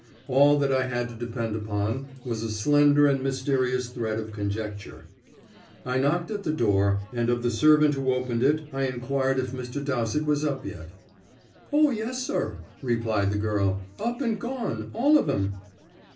All that I had to depend upon was a slender and mysterious thread of conjecture. I knocked at the door, and of the servant who opened it I inquired if Mr. Dowsett was up yet. "O, yes, sir," replied the girl. "Up and gone, all of 'em."